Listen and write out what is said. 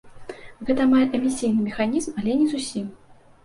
Гэта амаль эмісійны механізм, але не зусім.